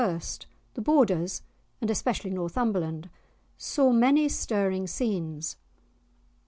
the Borders, and especially Northumberland, saw many stirring scenes.